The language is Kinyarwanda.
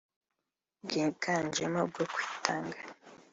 bwigajemo ubwo kwitanga